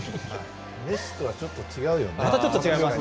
メッシとはちょっと違うよね。